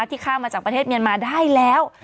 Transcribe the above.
ข้ามมาจากประเทศเมียนมาได้แล้ว